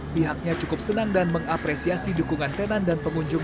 pihaknya cukup senang dan mengapresiasi dukungan tenan dan pengunjung